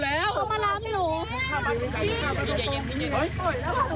เอาแท็กซี่พี่นั่งในรถก่อน